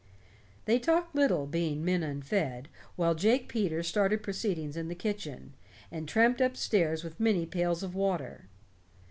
They talked little, being men unfed, while Jake Peters started proceedings in the kitchen, and tramped up stairs with many pails of water.